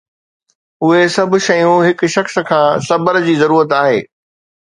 اهي سڀ شيون هڪ شخص کان صبر جي ضرورت آهي